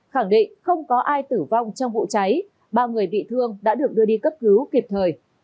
khẳng định không có ai tử vong trong vụ cháy ba người bị thương đã được đưa đi cấp cứu kịp thời